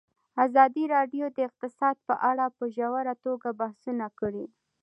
ازادي راډیو د اقتصاد په اړه په ژوره توګه بحثونه کړي.